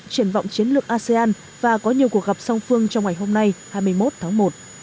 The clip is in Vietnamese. triển vọng chiến lược asean và có nhiều cuộc gặp song phương trong ngày hôm nay hai mươi một tháng một